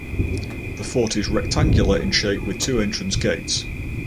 The fort is rectangular in shape with two entrance gates.